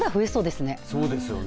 そうですよね